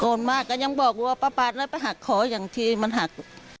มากก็ยังบอกว่าป้าปาดแล้วไปหักขออย่างที่มันหัก